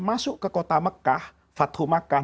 masuk ke kota mekah